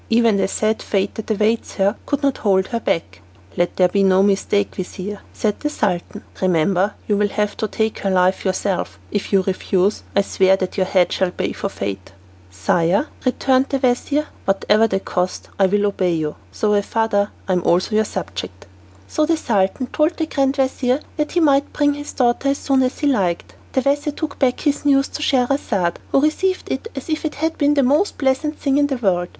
Even the sad fate that awaits her could not hold her back." "Let there be no mistake, vizir," said the Sultan. "Remember you will have to take her life yourself. If you refuse, I swear that your head shall pay forfeit." "Sire," returned the vizir. "Whatever the cost, I will obey you. Though a father, I am also your subject." So the Sultan told the grand vizir he might bring his daughter as soon as he liked. The vizir took back this news to Scheherazade, who received it as if it had been the most pleasant thing in the world.